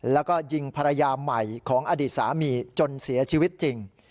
แล้วก็ยิงภรรยาใหม่ของอดีตสามีจนเสียชีวิตจริง